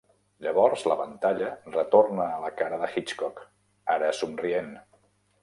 Llavors la pantalla retorna a la cara de Hitchcock, ara somrient.